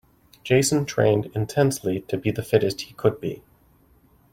Jason trained intensely to be the fittest he could be.